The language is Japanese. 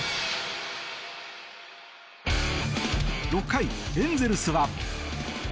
６回、エンゼルスは。